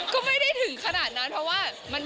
ก็ไม่ได้ถึงขนาดนั้นเพราะว่ามันผ่านมาสักพักแล้วไง